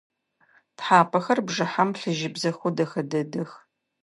Тхьапэхэр бжыхьэм плъыжьыбзэхэу дэхэ дэдэх.